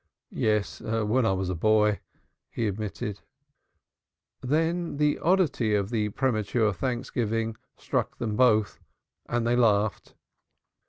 "Yes, when I was a boy," he admitted. Then the oddity of the premature thanksgiving struck them both and they laughed.